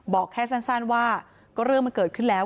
บอกแค่สั้นว่าก็เรื่องมันเกิดขึ้นแล้ว